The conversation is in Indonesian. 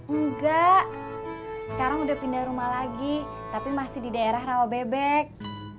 enggak sekarang udah pindah rumah lagi tapi masih di daerah rawa bebek